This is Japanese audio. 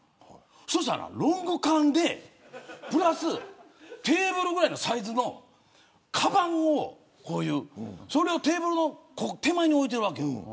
そしたらロング缶でテーブルぐらいのサイズのかばんをテーブルの手前に置いているわけよ。